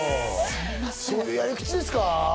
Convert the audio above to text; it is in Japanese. そういうやり口ですか？